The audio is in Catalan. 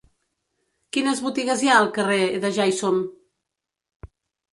Quines botigues hi ha al carrer de Ja-hi-som?